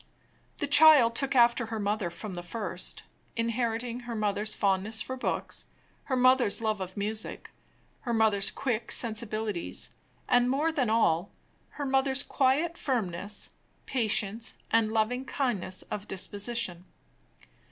The child took after her mother from the first inheriting her mother's fondness for books, her mother's love of music, her mother's quick sensibilities, and, more than all, her mother's quiet firmness, patience, and loving kindness of disposition.